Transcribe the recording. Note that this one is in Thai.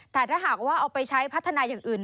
แต่ถ้าหากว่าเอาไปใช้พัฒนาอย่างอื่น